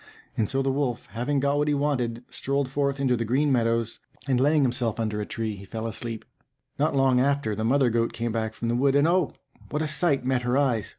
And so the wolf, having got what he wanted, strolled forth into the green meadows, and laying himself down under a tree, he fell asleep. Not long after, the mother goat came back from the wood; and, oh! what a sight met her eyes!